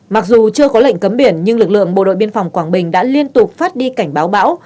mặc dù chưa có lệnh cấm biển nhưng lực lượng bộ đội biên phòng quảng bình đã liên tục phát đi cảnh báo bão